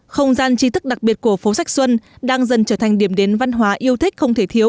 không gian chi thức đặc biệt của phố sách xuân đang dần trở thành điểm đến văn hóa yêu thích không thể thiếu